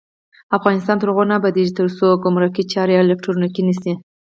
افغانستان تر هغو نه ابادیږي، ترڅو ګمرکي چارې الکترونیکي نشي.